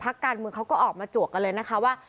การเมืองเขาก็ออกมาจวกกันเลยนะคะว่า